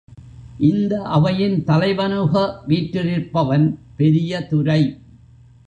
இந்த அவையின் தலைவனுக வீற்றிருப் பவன் பெரியதுரை.